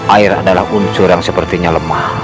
air adalah unsur yang sepertinya lemah